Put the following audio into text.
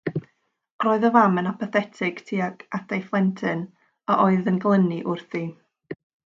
Roedd y fam yn apathetig tuag at ei phlentyn a oedd yn glynu wrthi.